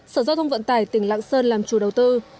sở giao thông vận tải tỉnh lạng sơn làm chủ đầu tư